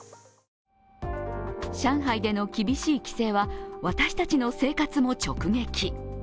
上海での厳しい規制は私たちの生活も直撃。